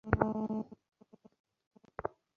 ওহ দাঁড়াও, সে আসছে।